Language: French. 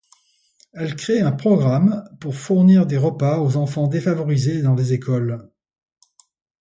Elle crée un programme pour fournir des repas aux enfants défavorisés dans les écoles.